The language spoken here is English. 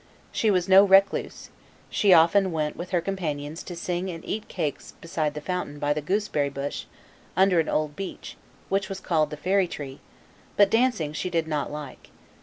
She was no recluse; she often went with her companions to sing and eat cakes beside the fountain by the gooseberry bush, under an old beech, which was called the fairy tree: but dancing she did not like.